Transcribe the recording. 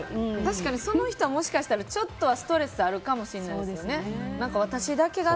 その人はもしかしたらちょっとはストレスあるかもしれないですよね。